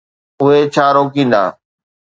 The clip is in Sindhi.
اهي ڇا روڪيندا؟